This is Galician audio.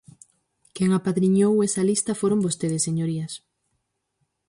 Quen apadriñou esa lista foron vostedes, señorías.